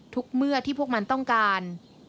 เมื่อที่พวกมันต้องการ